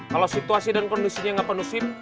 kalau situasi dan kondisinya gak penusin